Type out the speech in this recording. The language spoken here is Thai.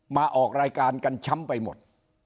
มาออกรายการกันช้ำไปหมด